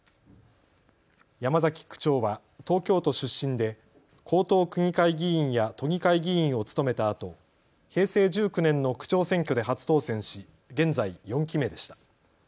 山崎区長は東京都出身で江東区議会議員や都議会議員を務めたあと平成１９年の区長選挙で初当選し現在４期目でした。